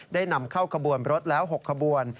ได้นำเข้าขบวนรถแล้ว๖ขบวน